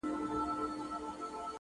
زمـــا د رسـوايـــۍ كــيســه.